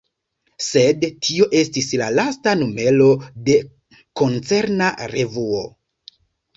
Sed tio estis la lasta numero de koncerna revuo.